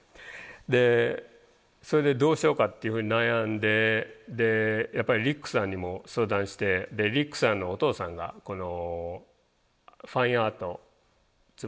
でそれでどうしようかっていうふうに悩んでやっぱりリックさんにも相談してリックさんのお父さんがこのファインアートつまり絵画ですね